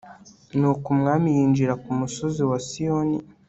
nuko umwami yinjira ku musozi wa siyoni